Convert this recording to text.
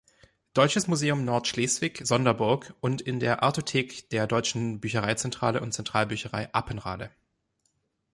Deutsches Museum Nordschleswig, Sonderburg und in der Artothek der Deutschen Büchereizentrale und Zentralbücherei Apenrade.